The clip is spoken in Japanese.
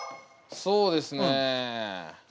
そうですね。